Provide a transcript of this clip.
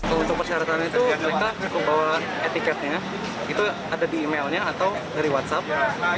untuk persyaratan itu mereka cukup bawa etiketnya itu ada di emailnya atau dari whatsapp